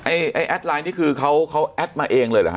ไอ้แอดไลน์นี่คือเขาเขาแอดมาเองเลยเหรอฮ